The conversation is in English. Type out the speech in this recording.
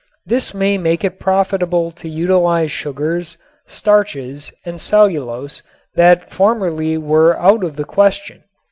This may make it profitable to utilize sugars, starches and cellulose that formerly were out of the question.